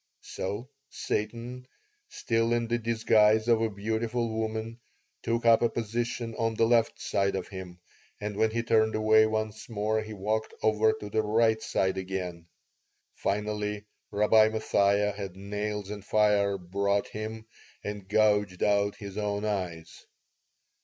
So Satan, still in the disguise of a beautiful woman, took up a position on the left side of him; and when he turned away once more he walked over to the right side again. Finally Rabbi Mathia had nails and fire brought him and gouged out his own eyes.